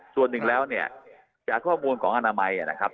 ส่วนหนึ่งแล้วเนี่ยจากข้อมูลของอนามัยนะครับ